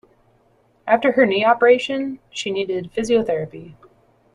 After her knee operation, she needed physiotherapy